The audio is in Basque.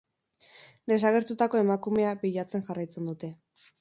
Desagertutako emakumea bilatzen jarraitzen dute.